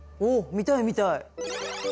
見たい見たい。